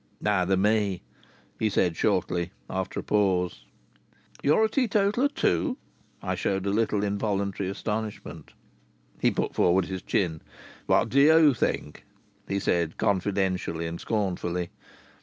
"Neither me!" he said shortly, after a pause. "You're a teetotaller too?" I showed a little involuntary astonishment. He put forward his chin. "What do you think?" he said confidentially and scornfully.